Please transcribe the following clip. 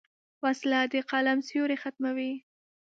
وسله د قلم سیوری ختموي